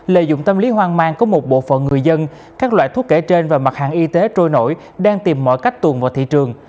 lợi dụng tâm lý hoang mang của một bộ phận người dân các loại thuốc kể trên và mặt hàng y tế trôi nổi đang tìm mọi cách tuồn vào thị trường